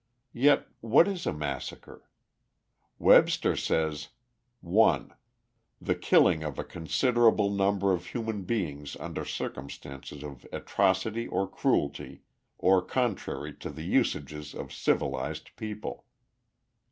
Yet what is a massacre? Webster says: "1. The killing of a considerable number of human beings under circumstances of atrocity or cruelty, or contrary to the usages of civilized people.